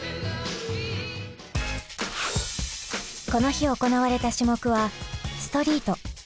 この日行われた種目はストリート。